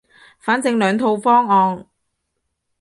反正兩套方案